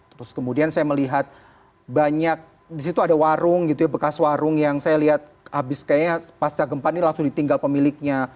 terus kemudian saya melihat banyak di situ ada warung gitu ya bekas warung yang saya lihat habis kayaknya pasca gempa ini langsung ditinggal pemiliknya